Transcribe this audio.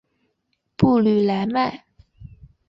布吕莱迈。